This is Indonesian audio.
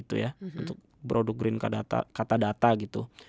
untuk produk green kata data gitu